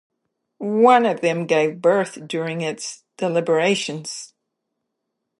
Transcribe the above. One of them gave birth during its deliberations.